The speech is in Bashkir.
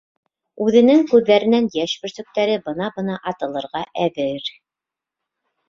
Үҙенең күҙҙәренән йәш бөрсөктәре бына-бына атылырға әҙер.